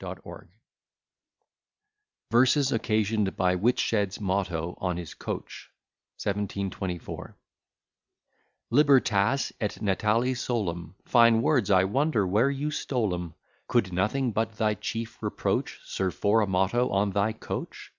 _] VERSES OCCASIONED BY WHITSHED'S MOTTO ON HIS COACH. 1724 Libertas et natale solum: Fine words! I wonder where you stole 'em. Could nothing but thy chief reproach Serve for a motto on thy coach?